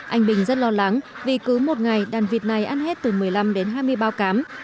anh bình rất lo lắng vì cứ một ngày đàn vịt này ăn hết từ một mươi năm đến hai mươi bao cám